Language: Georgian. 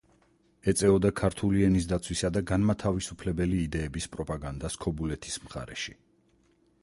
ეწეოდა ქართული ენის დაცვის და განმათავისუფლებელი იდეების პროპაგანდას ქობულეთის მხარეში.